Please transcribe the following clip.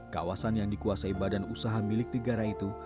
kawasan yang dikuasai badan usaha milik negara itu